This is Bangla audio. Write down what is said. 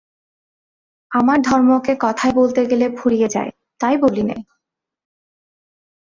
আমার ধর্মকে কথায় বলতে গেলে ফুরিয়ে যায় তাই বলি নে।